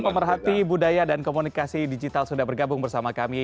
pemerhati budaya dan komunikasi digital sudah bergabung bersama kami